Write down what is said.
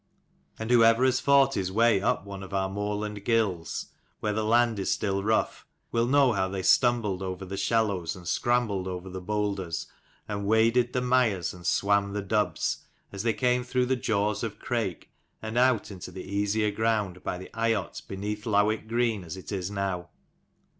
And whoever has fought his way up one of our moorland gills where the land is still rough, will know how they stumbled over the shallows, and scrambled over the boulders, and waded the mires, and swam the dubs, as they came through the jaws of Crake, and out into the easier ground by the eyot beneath Lowick Green, as it is now.